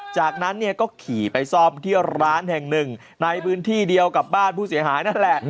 จากนั้นเนี่ยก็ขี่ไปซ่อมที่ร้านแห่งหนึ่งในพื้นที่เดียวกับบ้านผู้เสียหายนั่นแหละ